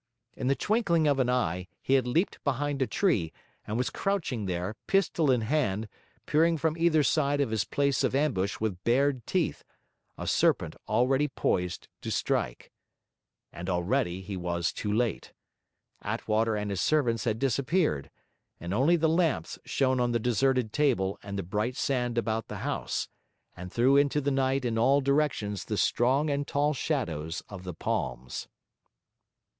In the twinkling of an eye, he had leaped behind a tree; and was crouching there, pistol in hand, peering from either side of his place of ambush with bared teeth; a serpent already poised to strike. And already he was too late. Attwater and his servants had disappeared; and only the lamps shone on the deserted table and the bright sand about the house, and threw into the night in all directions the strong and tall shadows of the palms.